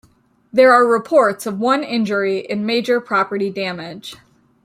There are reports of one injury and major property damage.